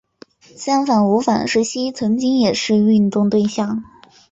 三反五反时期曾经也是运动对象。